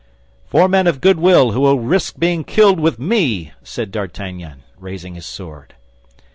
"Four men of good will who will risk being killed with me!" said D'Artagnan, raising his sword.